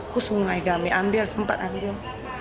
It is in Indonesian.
ke sungai kami ambil sempat akhirnya